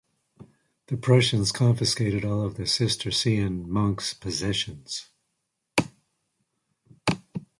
The Prussians confiscated all of the Cistercian Monks' possessions.